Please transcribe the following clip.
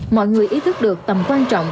mọi người ý thức được tầm quan trọng